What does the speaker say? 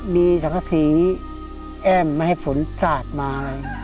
มีสังสัก๔แอ่มมาให้ฝนกราดมาเลย